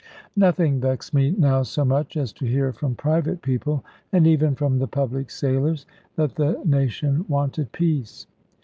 Nothing vexed me now so much as to hear from private people, and even from the public sailors, that the nation wanted peace.